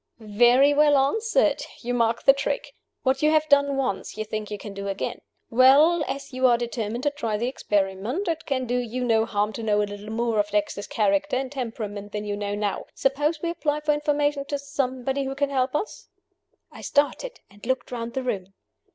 "Very well answered. You mark the trick. What you have done once you think you can do again. Well, as you are determined to try the experiment, it can do you no harm to know a little more of Dexter's character and temperament than you know now. Suppose we apply for information to somebody who can help us?" I started, and looked round the room.